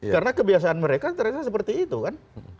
karena kebiasaan mereka ternyata seperti itu kan